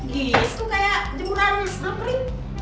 gitu kayak jemuran lapri